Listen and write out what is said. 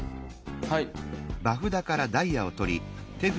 はい。